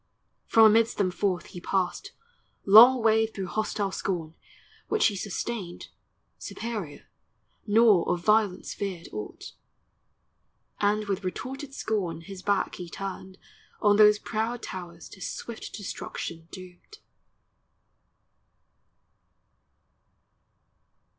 From amidst them forth he passed, Long way through hostile scorn, which he sustained Superior, nor of violence feared aught; And with retorted scorn his back he turned On those proud towers to swift destruction doomed.